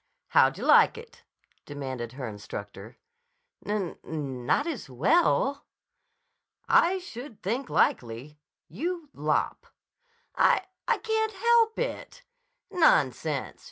"How d'you like it?" demanded her instructor. "N—not as well." "I should think likely. You lop." "I—I can't help it." "Nonsense!